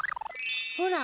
ほら。